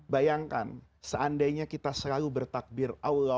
bayangkan seandainya kita selalu bertakbir